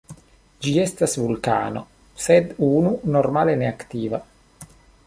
Ĝi estas vulkano, sed nun normale ne aktiva.